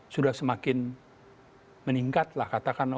sudah semakin meningkat lah katakan